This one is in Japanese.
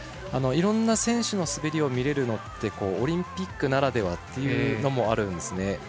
いろんな選手の滑りを見れるのってオリンピックならではというのもあるんですね。